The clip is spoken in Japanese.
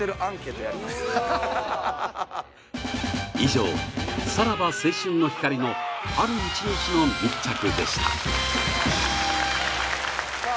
以上さらば青春の光のある一日の密着でしたさあ